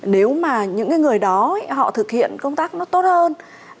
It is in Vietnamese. nếu mà những cái người đó họ thực hiện công tác nó tốt hơn